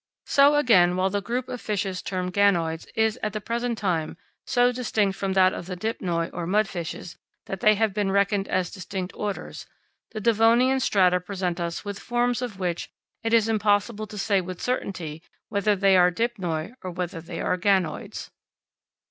So again, while the group of fishes, termed ganoids, is, at the present time, so distinct from that of the dipnoi, or mudfishes, that they have been reckoned as distinct orders, the Devonian strata present us with forms of which it is impossible to say with certainty whether they are dipnoi or whether they are ganoids.